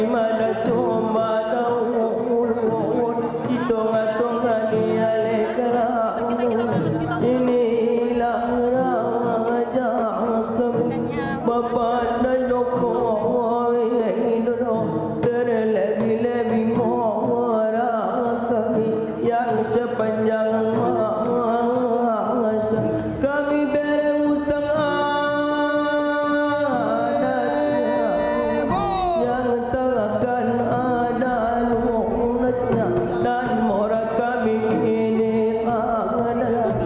yang sepanjang masa kami berhutang anaknya yang telahkan ada umumnya dan mora kami ini adalah